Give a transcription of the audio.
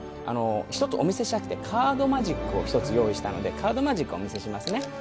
一つお見せしたくてカードマジックを一つ用意したのでカードマジックをお見せしますね。